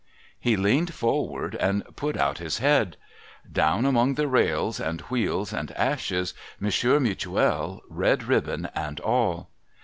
He leaned forward, and put out his head. Down among the rails and wheels and ashes. Monsieur Mutuel, red ribbon and all